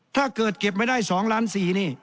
ถ้าเกิดเก็บไม่ได้๒ล้าน๔นี่